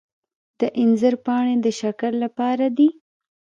د انځر پاڼې د شکر لپاره دي.